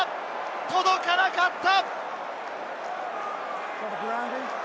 届かなかった！